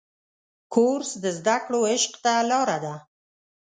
کورس د زده کړو عشق ته لاره ده.